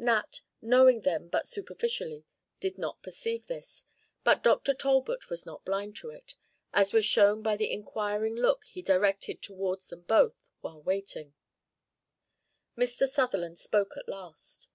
Knapp, knowing them but superficially, did not perceive this, but Dr. Talbot was not blind to it, as was shown by the inquiring look he directed towards them both while waiting. Mr. Sutherland spoke at last.